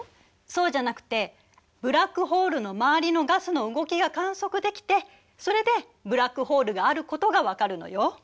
そうじゃなくてブラックホールの周りのガスの動きが観測できてそれでブラックホールがあることがわかるのよ。